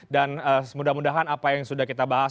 dan semudah mudahan apa yang sudah kita bahas